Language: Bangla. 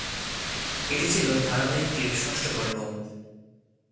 এটি ছিল ধারাবাহিকটির ষষ্ঠ পর্ব।